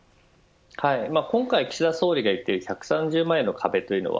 今回岸田総理が言っている１３０万円の壁というのは